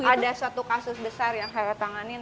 ada suatu kasus besar yang saya tanganin